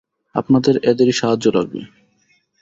আপনাদের এদেরই সাহায্য লাগবে।